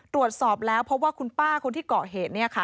ตรวจสอบแล้วเพราะว่าคุณป้าคนที่เกาะเหตุเนี่ยค่ะ